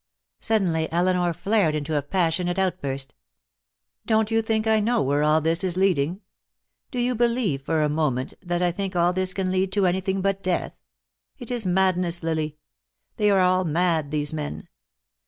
Suddenly Elinor flared into a passionate outburst. "Don't you think I know where all this is leading? Do you believe for a moment that I think all this can lead to anything but death? It is a madness, Lily; they are all mad, these men.